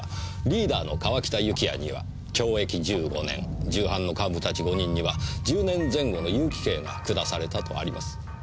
リーダーの川北幸也には懲役１５年従犯の幹部たち５人には１０年前後の有期刑が下されたとあります。